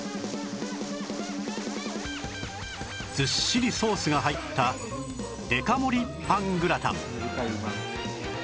ずっしりソースが入ったデカ盛りパングラタン